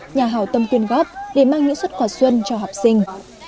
nhà hào tâm quyên góp để mang những suất quà xuân cho học sinh